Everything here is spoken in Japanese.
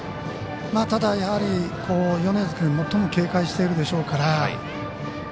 ただ、やはり米津君最も警戒しているでしょうから。